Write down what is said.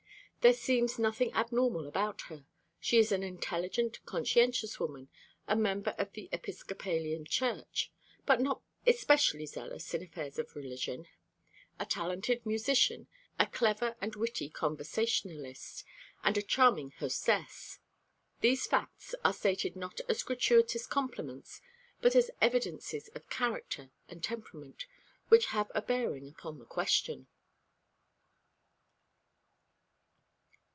There seems nothing abnormal about her. She is an intelligent, conscientious woman, a member of the Episcopalian church, but not especially zealous in affairs of religion, a talented musician, a clever and witty conversationalist, and a charming hostess. These facts are stated not as gratuitous compliments, but as evidences of character and temperament which have a bearing upon the question.